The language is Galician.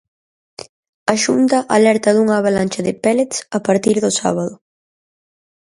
A Xunta alerta dunha avalancha de ‘pellets’ a partir do sábado